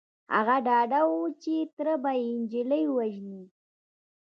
هغه ډاډه و چې تره به يې نجلۍ ووژني.